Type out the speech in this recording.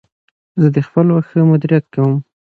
زه د خپل وخت ښه مدیریت کوم.